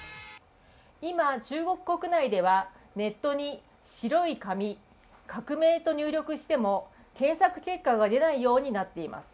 今中国国内ではネットに白い紙、革命と入力しても、検索結果が出ないようになっています。